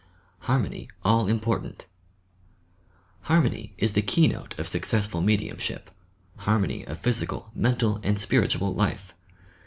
HARMONY ALL IMPORTANT Harmony is the keynote of successful mediumship, — harmony of physical, mental and spiritual life.